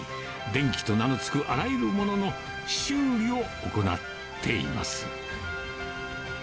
電気と名の付くあらゆるものの修理を行っています。